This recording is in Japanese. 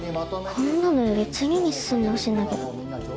こんなのより次に進んでほしいんだけど。